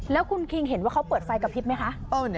แล้วคุณคิงเห็นว่าเขาเปิดไฟกระพริบไหมคะ